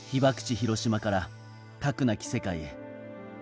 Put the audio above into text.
・広島から核なき世界へ。